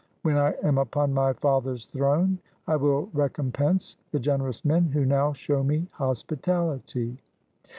When I am upon my father's throne, I will recompense the generous men who now show me hospitahty."